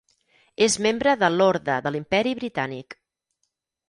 És membre de l'Orde de l'Imperi Britànic.